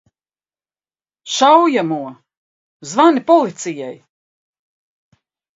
Šaujamo! Zvani policijai!